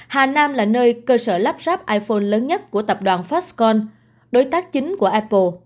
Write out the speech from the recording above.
hà nam là nơi cơ sở lắp ráp iphone lớn nhất của tập đoàn fastcon đối tác chính của apple